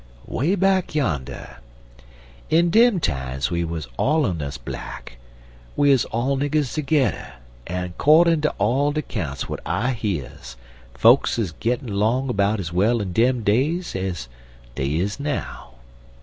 "Way back yander. In dem times we 'uz all un us black; we 'uz all niggers tergedder, en 'cordin' ter all de 'counts w'at I years fokes 'uz gittin' 'long 'bout ez well in dem days ez dey is now.